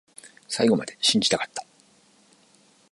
最後まで信じたかった